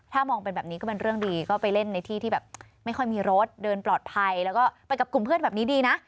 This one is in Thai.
ถ้ามองเป็นแบบนี้ก็เป็นเรื่องดีก็ไปเล่นในที่ที่แบบไม่ค่อยมีรถเดินปลอดภัยแล้วก็ไปกับกลุ่มเพื่อนแบบนี้ดีนะ